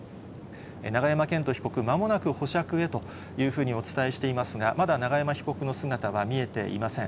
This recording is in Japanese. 永山絢斗被告、まもなく保釈へというふうにお伝えしていますが、まだ永山被告の姿は見えていません。